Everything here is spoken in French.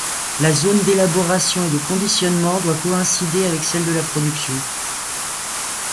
La zone d'élaboration et de conditionnement doit coïncider avec celle de la production.